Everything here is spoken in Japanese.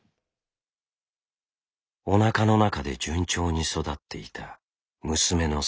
おなかの中で順調に育っていた娘の星子。